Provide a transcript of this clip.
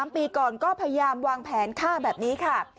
๓ปีก่อนก็พยายามวางแผนฆ่าแบบนี้ค่ะ